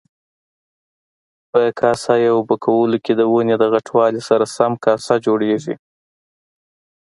په کاسه یي اوبه کولو کې د ونې د غټوالي سره سم کاسه جوړیږي.